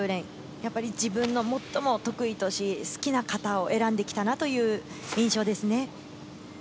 やっぱり自分の最も得意とし、好きな形を選んできたなという印象ですね。